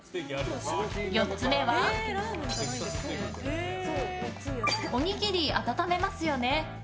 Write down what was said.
４つ目はおにぎり温めますよね？